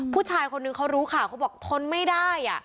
ผู้ชายคนหนึ่งเขารู้ค่ะเขาบอกทนไม่ได้อ่ะ